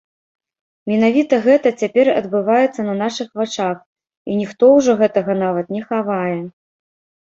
Менавіта гэта цяпер адбываецца на нашых вачах і ніхто ўжо гэтага нават не хавае.